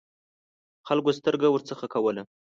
خلکو سترګه ورڅخه کوله.